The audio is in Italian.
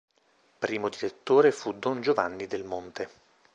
Primo direttore fu don Giovanni Del Monte.